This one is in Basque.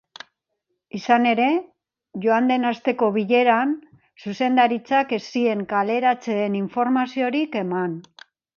Izan ere, joan den asteko bileran zuzendaritzak ez zien kaleratzeen informaziorik eman.